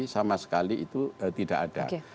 sama sekali itu tidak ada